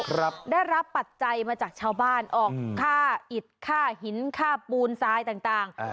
ครับได้รับปัจจัยมาจากชาวบ้านออกค่าอิดค่าหินค่าปูนทรายต่างต่างอ่า